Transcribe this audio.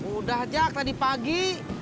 udah jack tadi pagi